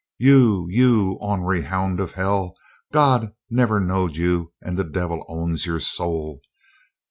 "You you ornery hound of Hell! God never knowed you and the devil owns your soul!"